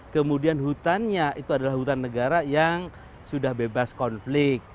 kemudian hutannya itu adalah hutan negara yang sudah bebas konflik